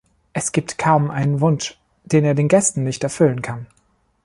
Es gibt kaum einen Wunsch, den er den Gästen nicht erfüllen kann.